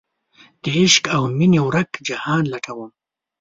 دعشق اومینې ورک جهان لټوم